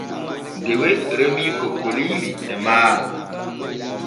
Dewe remii kokkoliiri e maaro.